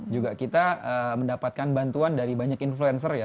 juga kita mendapatkan bantuan dari banyak influencer ya